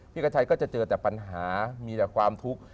กระชัยก็จะเจอแต่ปัญหามีแต่ความทุกข์